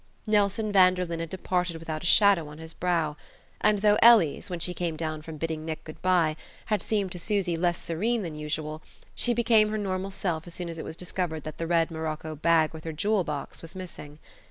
Nelson Vanderlyn had departed without a shadow on his brow, and though Ellie's, when she came down from bidding Nick good bye, had seemed to Susy less serene than usual, she became her normal self as soon as it was discovered that the red morocco bag with her jewel box was missing.